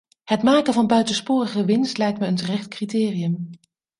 Het maken van buitensporige winst lijkt me een terecht criterium.